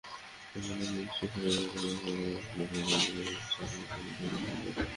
পুরোনো তিন বিদেশি খেলোয়াড় এমেকা, ওয়েডসন, ল্যান্ডিংয়ের সঙ্গে স্থানীয় কয়েকজন ফুটবলারও ছিলেন।